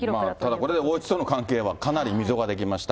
ただ、これでおうちとの関係はかなり溝が出来ました。